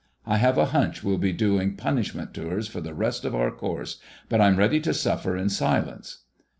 _' I have a hunch we'll be doing punishment tours for the rest of our course, but I'm ready to suffer in silence."